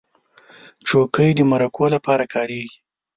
چوکۍ د مرکو لپاره کارېږي.